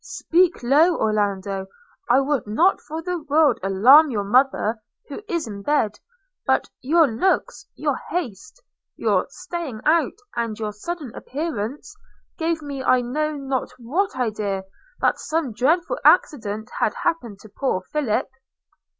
'Speak low, Orlando; I would not for the world alarm you mother, who is in bed: – but your looks, your haste, your staying out, and your sudden appearance, gave me I know not what idea, that some dreadful accident had happened to poor Philip.'